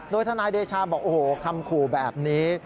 โดยทนายเดชาบอกโอ้โหคำขู่แบบนี้